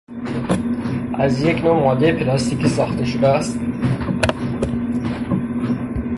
از یک نوع مادهی پلاستیکی ساخته شده است.